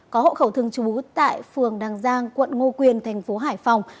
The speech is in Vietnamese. có hộ khẩu thường trú tại phường đàng giang quận ngo quyền thành phố hải phòng